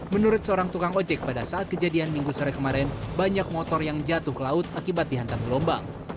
menurut seorang tukang ojek pada saat kejadian minggu sore kemarin banyak motor yang jatuh ke laut akibat dihantam gelombang